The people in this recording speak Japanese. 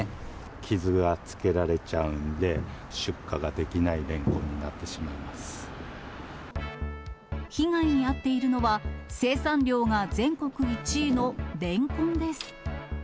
傷がつけられちゃうんで、出荷ができないレンコンになってしまい被害に遭っているのは、生産量が全国１位のレンコンです。